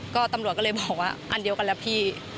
ก็ตำรวจก็เลยบอกว่าอันเดียวกันแล้วพี่